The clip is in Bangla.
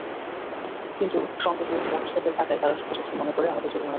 কিন্তু সঙ্গে দু-একটি মোটরসাইকেল থাকায় তারা শোভাযাত্রা মনে করে আমাকে জরিমানা করেন।